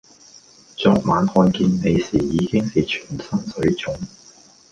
昨晚看見你時已經是全身水腫